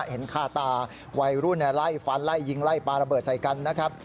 เห็นค่าตาวัยรุ่นไล่ฟันไล่ยิงไล่ปลาระเบิดใส่กันนะครับ